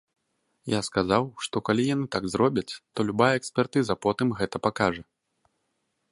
Я сказаў, што калі яны так зробяць, то любая экспертыза потым гэта пакажа.